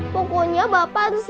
pokoknya bapak harus